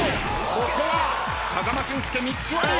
ここは風間俊介３つ割り。